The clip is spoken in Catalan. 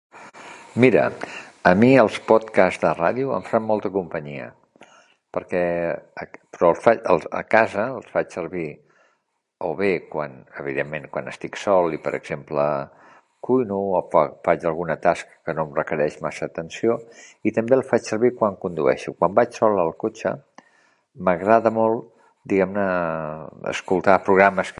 Mira, a mi, els pòdcasts de ràdio em fan molta companyia perquè, a casa els faig servir, o bé quan, evidentment, quan estic sol i, per exemple, cuino o faig alguna tasca que no em requereix massa atenció, i també el faig servir quan condueixo, quan vaig sol en el cotxe, m'agrada molt, diguem-ne, escoltar programes...